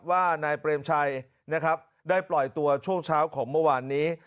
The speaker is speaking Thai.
ว่านายเปรมชัยนะครับได้ปล่อยตัวช่วงเช้าของเมื่อวานนี้